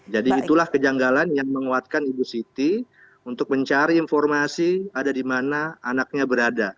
jadi itulah kejanggalan yang menguatkan ibu siti untuk mencari informasi ada di mana anaknya berada